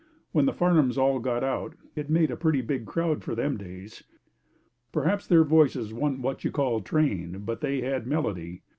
When the Farnhams all got out, it made a pretty big crowd for them days. Perhaps their voices wan't what you call trained, but they had melody.